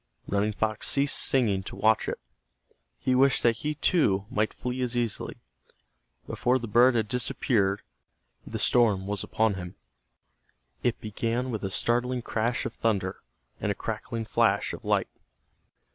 Running Fox ceased singing to watch it. He wished that he, too, might flee as easily. Before the bird had disappeared, the storm was upon him. It began with a startling crash of thunder, and a crackling flash of light.